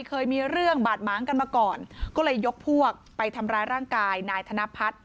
เคยมีเรื่องบาดหมางกันมาก่อนก็เลยยกพวกไปทำร้ายร่างกายนายธนพัฒน์